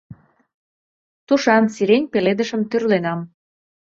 Тушан сирень пеледышым тӱрленам...